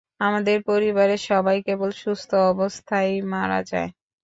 আমাদের পরিবারের সবাই কেবল সুস্থ অবস্থায়ই মারা যায়।